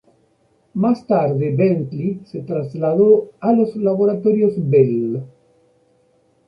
Más tarde, Bentley se trasladó a los Laboratorios Bell.